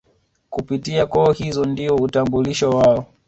Kupitia koo hizo ndio utambulisho wao